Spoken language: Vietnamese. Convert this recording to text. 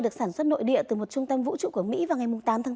được sản xuất nội địa từ một trung tâm vũ trụ của mỹ vào ngày tám tháng bốn